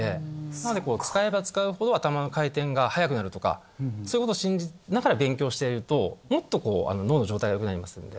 なので使えば使うほど頭の回転が速くなるとかそういうことを信じながら勉強をしているともっと脳の状態が良くなりますんで。